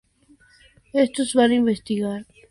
Estos van a investigar.